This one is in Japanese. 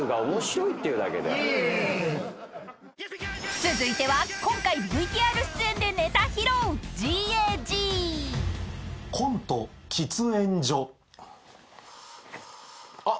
［続いては今回ＶＴＲ出演でネタ披露］コント「喫煙所」あっ。